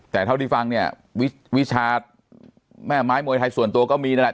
แต่เท่าที่ฟังเนี่ยวิชาแม่ไม้มวยไทยส่วนตัวก็มีนั่นแหละ